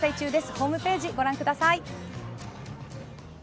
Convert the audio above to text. ホームページご覧ください。